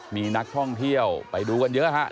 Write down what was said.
มีนักท่องเที่ยวไปดูกันเยอะฮะ